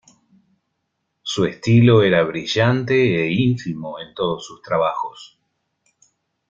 Su estilo era brillante e ínfimo en todos sus trabajos.